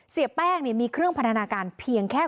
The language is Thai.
เสียแป้งมีเครื่องพันธนาการเพียงแค่